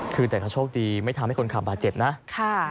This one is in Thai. คือแต่ก็โชคดีไม่ทำให้คนขับบาดเจ็บนะค่ะ